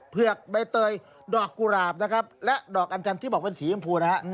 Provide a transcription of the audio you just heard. เผือกใบเตยดอกกุหลาบนะครับและดอกอันจันทร์ที่บอกเป็นสีชมพูนะฮะ